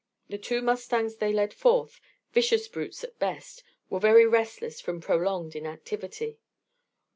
The two mustangs they led forth, vicious brutes at best, were very restless from prolonged inactivity.